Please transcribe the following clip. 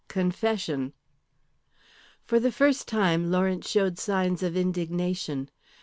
CONFESSION. For the first time Lawrence showed signs of indignation.